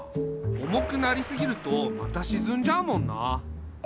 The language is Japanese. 重くなりすぎるとまたしずんじゃうもんな。